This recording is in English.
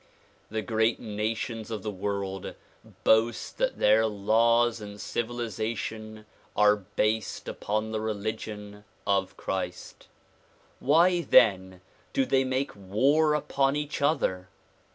The great nations of the world boast that their laws and civilization are based upon the religion of Christ. Why then do they make war upon each other?